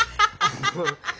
ハハハハッ！